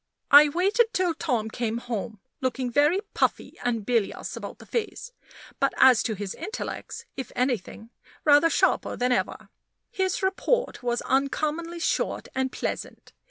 I waited till Tom came home, looking very puffy and bilious about the face; but as to his intellects, if anything, rather sharper than ever. His report was uncommonly short and pleasant.